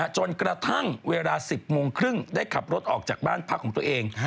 จนกระทั่งเวลา๑๐โมงครึ่งได้ขับรถออกจากบ้านพักของตัวเอง